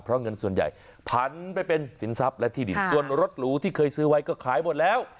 เพราะเงินส่วนใหญ่ผันไปเป็นสินทรัพย์และที่ดินส่วนรถหรูที่เคยซื้อไว้ก็ขายหมดแล้ว